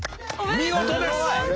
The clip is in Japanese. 見事です！